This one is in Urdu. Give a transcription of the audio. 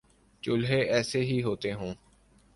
چولہے ایسے ہی ہوتے ہوں